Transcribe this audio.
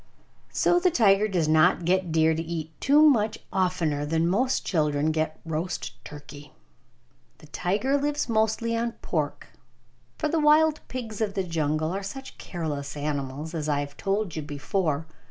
So the tiger does not get deer to eat much oftener than most children get roast turkey. The tiger lives mostly on pork, for the wild pigs of the jungle are such careless animals, as I have told you before.